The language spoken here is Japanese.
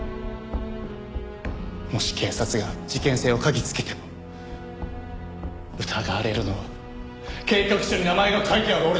もし警察が事件性を嗅ぎつけても疑われるのは計画書に名前が書いてある俺だ。